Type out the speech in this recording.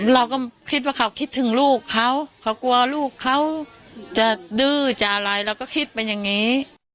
เราก็คิดว่าเขาคิดถึงลูกเขาเขากลัวลูกเขาจะดื้อจะอะไรเราก็คิดเป็นอย่างนี้